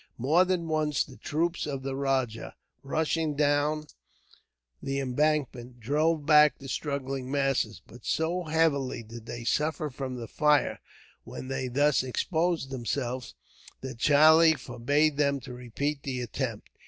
More than once the troops of the rajah, rushing down the embankment, drove back the struggling masses, but so heavily did they suffer from the fire, when they thus exposed themselves, that Charlie forbade them to repeat the attempt.